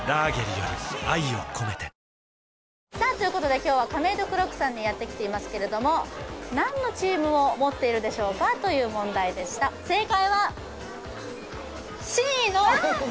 今日はカメイドクロックさんにやってきていますけれども何のチームを持っているでしょうかという問題でした正解はえ！？